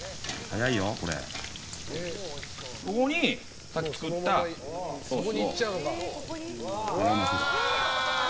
ここに、さっき作ったソースを。